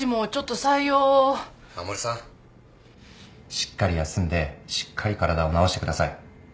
しっかり休んでしっかり体を治してください。